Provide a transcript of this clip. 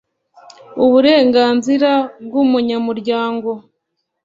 uburenganzira bw umunyamuryango